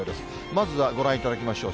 まずはご覧いただきましょう。